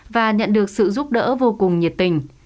và nhận được sự giúp đỡ vô cùng nhiệt tình